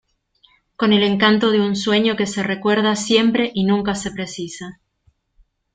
con el encanto de un sueño que se recuerda siempre y nunca se precisa.